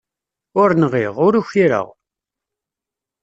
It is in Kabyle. Ur nɣiɣ, ur ukireɣ.